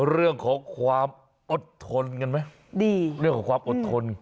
เรื่องของความอดทนกันไหมดีเรื่องของความอดทน